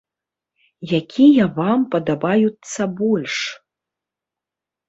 Якія вам падабаюцца больш?